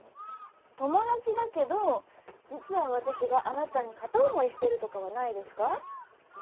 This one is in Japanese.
友達だけど実は私があなたに片思いしてるとかはないですか？